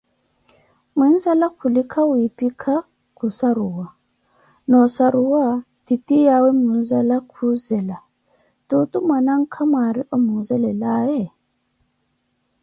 Muinzala khunlika wiphika khussaruwa, noo ossaruwa titiyawe muinzala khuzela tuutu manankhaya Mwari omuzeelelaye?